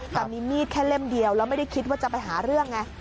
แต่มีมีดแค่เล่มเดียวแล้วไม่ได้คิดว่าจะไปหาเรื่องไง